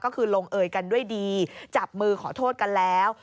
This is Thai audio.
ก็คือลงเอยกันด้วยดีจับมือขอโทษกันแล้ว